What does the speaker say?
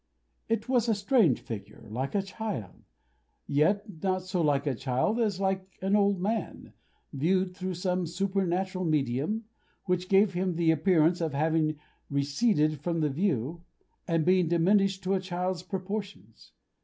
It was a strange figure like a child: yet not so like a child as like an old man, viewed through some supernatural medium, which gave him the appearance of having receded from the view, and being diminished to a child's proportions.